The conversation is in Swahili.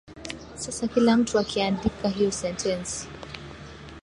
Sasa kila mtu akiandika hio sentensi